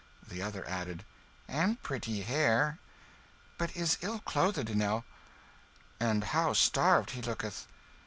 The other added "And pretty hair." "But is ill clothed enow." "And how starved he looketh."